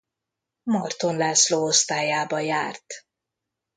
Marton László osztályába járt.